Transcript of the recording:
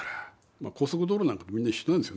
高速道路なんかもみんな一緒なんですよね。